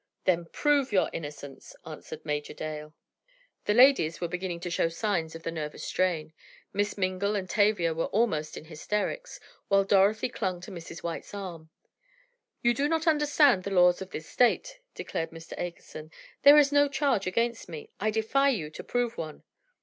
"Then prove your innocence!" answered Major Dale. The ladies were beginning to show signs of the nervous strain. Miss Mingle and Tavia were almost in hysterics, while Dorothy clung to Mrs. White's arm. "You do not understand the laws in this State," declared Mr. Akerson. "There is no charge against me. I defy you to prove one!"